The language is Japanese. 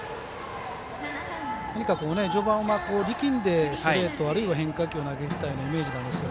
とにかく序盤は力んでストレートあるいは変化球を投げていたようなイメージなんですが。